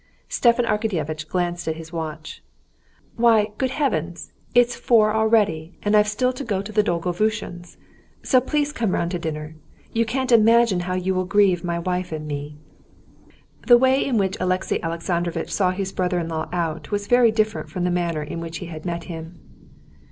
Stepan Arkadyevitch glanced at his watch. "Why, good heavens, it's four already, and I've still to go to Dolgovushin's! So please come round to dinner. You can't imagine how you will grieve my wife and me." The way in which Alexey Alexandrovitch saw his brother in law out was very different from the manner in which he had met him.